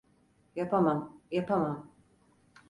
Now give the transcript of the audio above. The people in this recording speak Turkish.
Yapamam, yapamam…